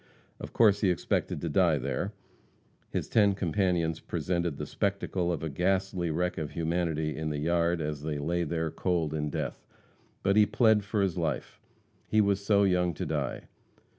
Of course he expected to die there. His ten companions presented the spectacle of a ghastly wreck of humanity in the yard as they lay there cold in death. But he plead for his life. He was so young to die.